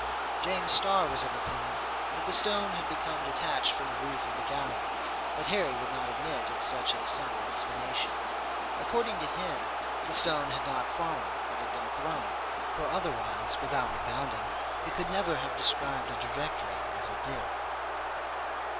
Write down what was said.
James Starr was of opinion that the stone had become detached from the roof of the gallery; but Harry would not admit of such a simple explanation. According to him, the stone had not fallen, it had been thrown; for otherwise, without rebounding, it could never have described a trajectory as it did.